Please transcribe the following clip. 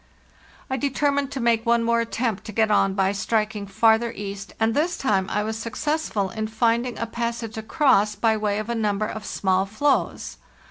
"T determined to make one more attempt to get on by striking farther east, and this time I was successful in finding a passage across by way of a number of small floes.